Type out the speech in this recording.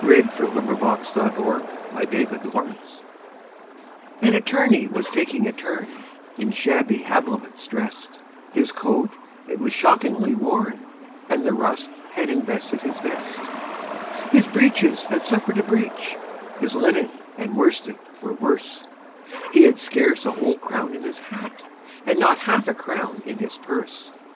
THE BRIEFLESS BARRISTER A BALLAD N Attorney was taking a turn, In shabby habiliments drest; His coat it was shockingly worn, And the rust had invested his vest. His breeches had suffered a breach, His linen and worsted were worse; He had scarce a whole crown in his hat, And not half a crown in his purse.